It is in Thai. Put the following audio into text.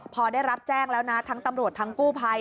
พอได้รับแจ้งแล้วนะทั้งตำรวจทั้งกู้ภัย